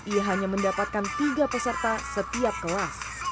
ia hanya mendapatkan tiga peserta setiap kelas